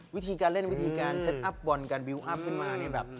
วิธีการเล่นวิธีการเซ็ตอัพบอลการบิวอัพขึ้นมาเนี่ยแบบ